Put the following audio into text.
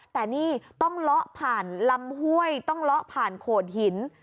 แต่ต้องล้อผ่านลำห้วยต้องล้อผ่านโข่นหิน